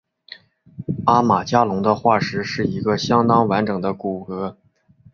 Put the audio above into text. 阿马加龙的化石是一个相当完整的骨骼。